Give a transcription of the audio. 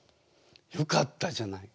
よかったじゃない。